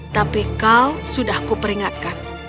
tapi kau sudah kuperingatkan